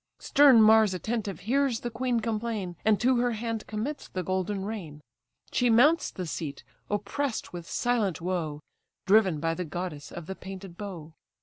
Stern Mars attentive hears the queen complain, And to her hand commits the golden rein; She mounts the seat, oppress'd with silent woe, Driven by the goddess of the painted bow.